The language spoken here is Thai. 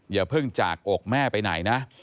อย่าเพิ่งจากอกแม่ไปไหนนะ